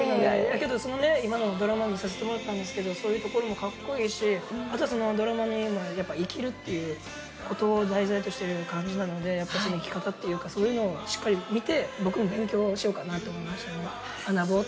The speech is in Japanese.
けど、そのね、今のドラマ見させてもらったんですけど、そういうところもかっこいいし、あとはドラマの中でも、生きるっていうことを題材としている感じなので、やっぱその生き方というか、そういうのをしっかり見て、僕も勉強しようかなと思いましたね。